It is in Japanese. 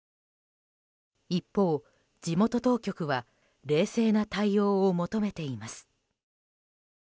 一方、地元当局は冷静な対応を求めています。